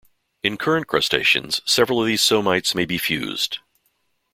In current crustaceans, several of those somites may be fused.